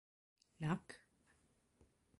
Nac.